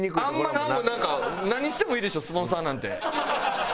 何してもいいでしょスポンサーなんて。